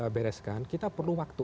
bereskan kita perlu waktu